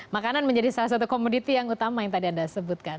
makanan menjadi salah satu komoditi yang utama yang tadi anda sebutkan